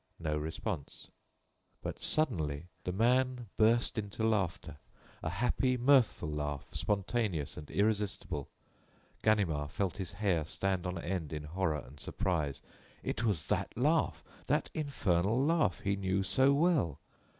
No response. But, suddenly the man burst into laughter, a happy, mirthful laugh, spontaneous and irresistible. Ganimard felt his hair stand on end in horror and surprise. It was that laugh, that infernal laugh he knew so well!